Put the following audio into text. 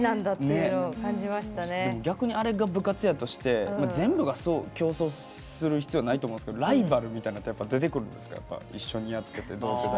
逆にあれが部活やとして全部が競争する必要はないと思うんですけどライバルみたいなのって出てくるんですか？